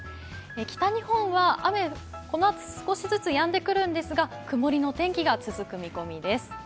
北日本は、このあと少しずつ雨がやんでくるんですが曇りの天気が続く見込みです。